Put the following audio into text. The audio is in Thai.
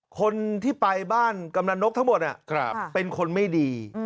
คนที่ไปบ้านกำนันนกทั้งหมดเป็นคนไม่ดี